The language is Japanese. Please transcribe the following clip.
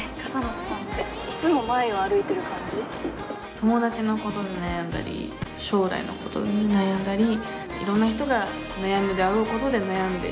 友達のことで悩んだり将来のことで悩んだりいろんな人が悩むであろうことで悩んでいる。